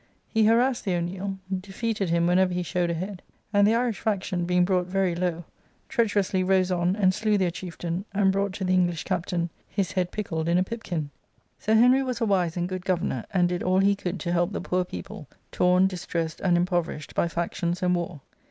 He harassed the O'Neil, defeated him whenever he showed a head, and the Irish faction, being brought very low, treacherously X Introductory and Biographical Essay, rose on and slew their chieftain, and brought to the English captain "his head pickled in a pipkin."* Sir Henry was a wise and good governor, and did all he could to help the poor people, torn, distressed, and impoverished by factions and war.